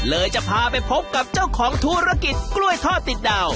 จะพาไปพบกับเจ้าของธุรกิจกล้วยทอดติดดาว